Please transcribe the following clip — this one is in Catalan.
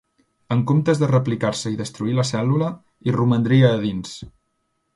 En comptes de replicar-se i destruir la cèl·lula, hi romandria a dins.